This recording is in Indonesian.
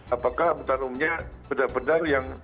apakah mutan umumnya benar benar yang